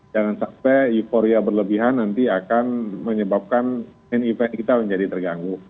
jangan sampai euforia berlebihan nanti akan menyebabkan hand event kita menjadi terganggu